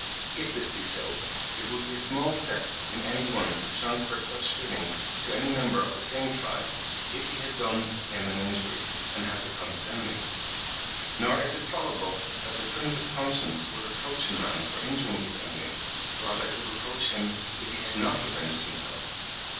If this be so, it would be a small step in any one to transfer such feelings to any member of the same tribe if he had done him an injury and had become his enemy. Nor is it probable that the primitive conscience would reproach a man for injuring his enemy; rather it would reproach him, if he had not revenged himself.